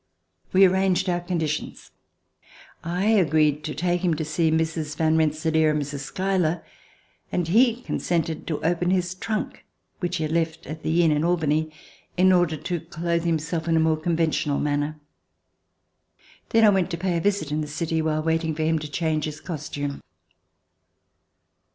We arranged our conditions: I agreed to take him to see Mrs. Van Rensselaer and Mrs. Schuyler, and he consented to open his trunk, which he had left at the inn in Albany, in order to clothe himself in a more conventional manner. Then I went to pay a visit in the city while waiting for him to change his costume.